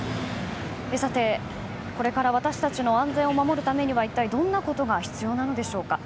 さてこれから私たちの安全を守るためにはいったいどんなことが必要なのでしょうか。